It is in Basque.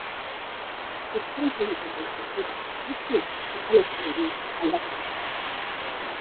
Euskaraz egiten den kulturak ez du jokaleku hori aldatuko.